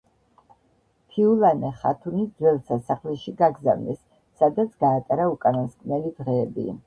ფიულანე ხათუნი ძველ სასახლეში გაგზავნეს, სადაც გაატარა უკანასკნელი დღეები.